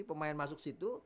pemain masuk situ